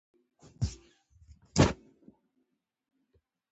ملګری د ازمېښتو ملګری وي